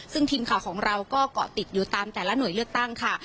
ซึ่งทีมข่าวของเราก็เกาะติดอยู่ตามแต่ละหน่วยเลือกตั้งค่ะ